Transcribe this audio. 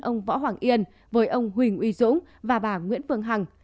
ông võ hoàng yên với ông huỳnh uy dũng và bà nguyễn phương hằng